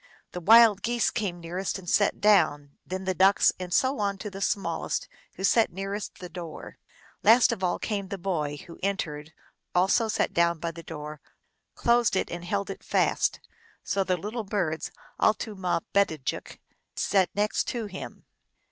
The Wild Geese came nearest and sat down, then the Ducks, and so on to the small est, who sat nearest the door. Last of all came the boy, who entering also sat down by the door, closed it, and held it fast. So the little birds, altumabedajik (M.), sat next to him.